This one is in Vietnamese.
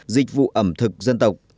dịch vụ ẩm thực dân tộc